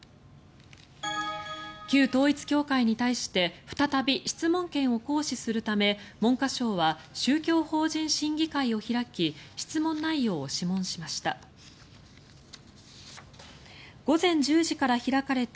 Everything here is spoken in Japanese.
旧統一教会に対して再び質問権を行使するため文科省は宗教法人審議会を開き質問内容を諮問しました。